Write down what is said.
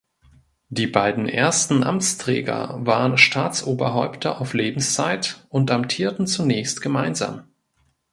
Die beiden ersten Amtsträger waren Staatsoberhäupter auf Lebenszeit und amtierten zunächst gemeinsam.